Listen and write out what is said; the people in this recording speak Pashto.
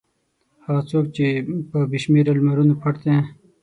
هغه څوک چې په بې شمېره لمرونو پټ دی.